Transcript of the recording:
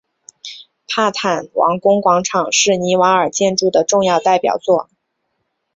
帕坦王宫广场是尼瓦尔建筑的重要代表作。